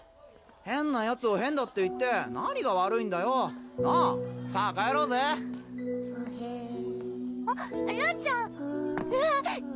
変なヤツを変だって言って何が悪いんだよなぁさぁ帰ろうぜふへあっらんちゃん